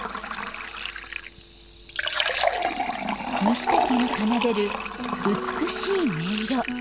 虫たちが奏でる美しい音色。